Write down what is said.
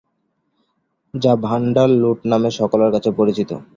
যা ভাণ্ডার লুট নামে সকলের কাছে পরিচিত।